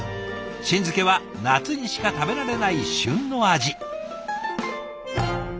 新漬けは夏にしか食べられない旬の味。